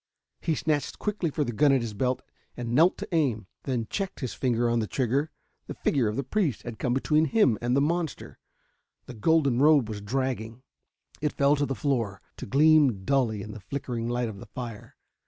He snatched quickly for the gun at his belt and knelt to aim then checked his finger on the trigger. The figure of the priest had come between him and the monster. The golden robe was dragging. It fell to the floor, to gleam dully in the flickering light of the fire.